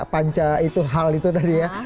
panca itu hal itu tadi ya